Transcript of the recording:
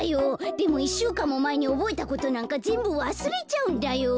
でも１しゅうかんもまえにおぼえたことなんかぜんぶわすれちゃうんだよ。